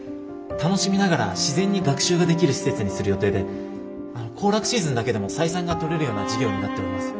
楽しみながら自然に学習ができる施設にする予定で行楽シーズンだけでも採算が取れるような事業になっております。